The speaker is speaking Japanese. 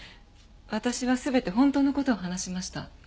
私は全て本当の事を話しました。